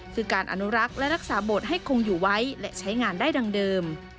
คือการอนุรักษ์และรักษาโบสถ์ให้คงอยู่ไว้และใช้งานได้ดังเดิม